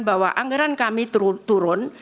bahwa anggaran kami turun